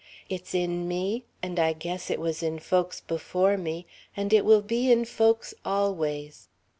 "It's in me, and I guess it was in folks before me, and it will be in folks always.